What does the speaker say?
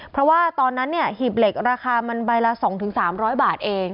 เพราะว่าตอนนั้นหีบเหล็กราคามันใบละ๒๓๐๐บาทเอง